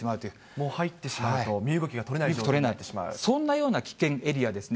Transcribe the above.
もう入ってしまうと、身動き身動きが取れなくなってしまう、そんなような危険エリアですね。